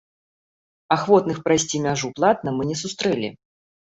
Ахвотных прайсці мяжу платна мы не сустрэлі.